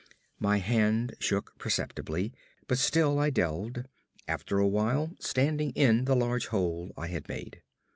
My hand shook perceptibly, but still I delved; after a while standing in the large hole I had made.